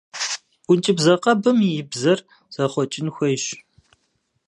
Ӏункӏыбзэ къэбым и бзэр зэхъуэкӏын хуейщ.